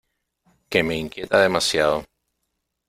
que me inquieta demasiado.